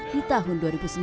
di tahun dua ribu sembilan